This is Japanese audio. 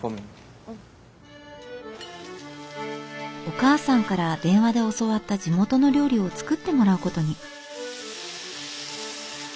お母さんから電話で教わった地元の料理を作ってもらうことに。